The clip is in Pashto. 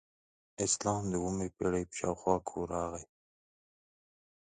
اسلام د اوومې پیړۍ په شاوخوا کې راغی